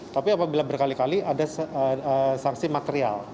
tapi apabila berkali kali ada sanksi material